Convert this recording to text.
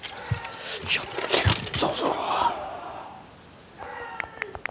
やってやったぞ。